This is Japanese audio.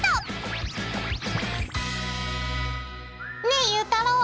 ねえゆうたろう。